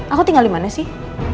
aku tinggal dimana sih